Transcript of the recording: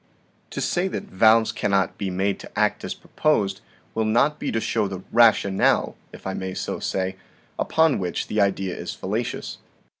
To say that valves cannot be made to act as proposed will not be to show the rationale (if I may so say) upon which the idea is fallacious."